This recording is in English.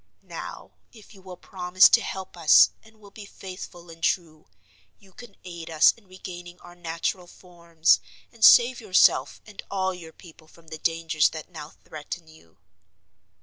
Now if you will promise to help us and will be faithful and true, you can aid us in regaining our natural forms, and save yourself and all your people from the dangers that now threaten you."